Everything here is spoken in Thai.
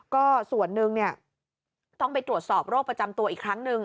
ก็ส่วนหนึ่งต้องไปตรวจสอบโรคประจำตัวอีกครั้งหนึ่ง